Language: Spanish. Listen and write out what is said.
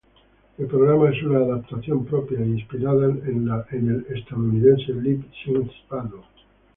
El programa es una adaptación propia e inspirada en el estadounidense "Lip Sync Battle".